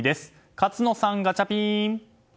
勝野さん、ガチャピン！